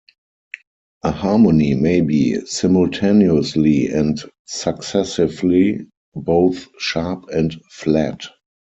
A harmony may be simultaneously and successively both sharp and flat.